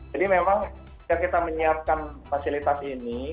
jadi memang saat kita menyiapkan fasilitas ini